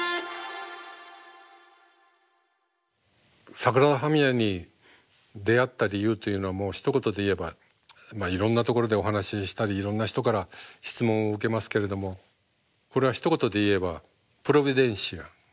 サグラダ・ファミリアに出会った理由というのはもうひと言で言えばいろんなところでお話ししたりいろんな人から質問を受けますけれどもこれはひと言で言えばプロビデンシア。